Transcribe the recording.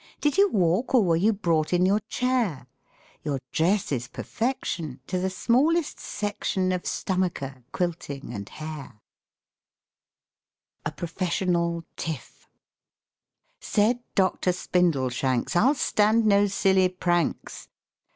Did you walk or were you brought in your chair? Your dress is perfection To the smallest section Of stomacher, quilting and hair. A PROFESSIONAL TIFF Said Dr. Spindleshanks, "I'll stand no silly pranks!"